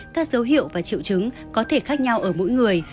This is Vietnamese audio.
các dấu hiệu và triệu chứng có thể khác nhau ở mỗi người